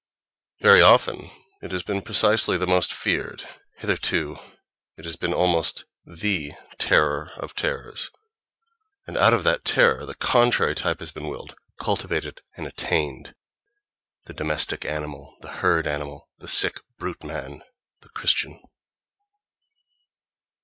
Very often it has been precisely the most feared; hitherto it has been almost the terror of terrors;—and out of that terror the contrary type has been willed, cultivated and attained: the domestic animal, the herd animal, the sick brute man—the Christian....